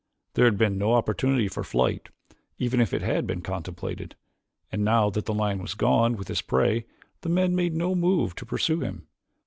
There had been no opportunity for flight, even if it had been contemplated; and now that the lion was gone with his prey the men made no move to pursue him.